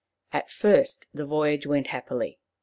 At first the voyage went happily.